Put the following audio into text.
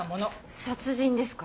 殺人ですか。